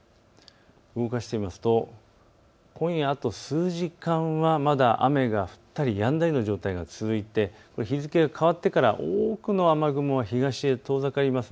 動かしてみますと今夜あと数時間はまだ雨が降ったりやんだりの状態が続いて日付が変わってから多くの雨雲は東へ遠ざかります。